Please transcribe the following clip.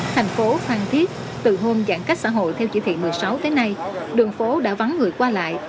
thành phố phan thiết từ hôm giãn cách xã hội theo chỉ thị một mươi sáu tới nay đường phố đã vắng người qua lại